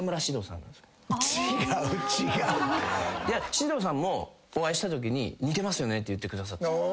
いや獅童さんもお会いしたときに「似てますよね」って言ってくださった。